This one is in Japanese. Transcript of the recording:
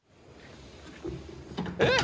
えっ！？